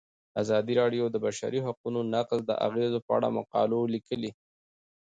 ازادي راډیو د د بشري حقونو نقض د اغیزو په اړه مقالو لیکلي.